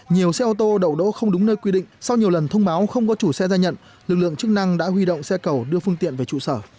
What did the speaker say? nhiều xe ô tô đậu đỗ không đúng nơi quy định sau nhiều lần thông báo không có chủ xe ra nhận lực lượng chức năng đã huy động xe cầu đưa phương tiện về trụ sở